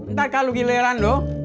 ntar kalau giliran lo